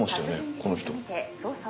この人。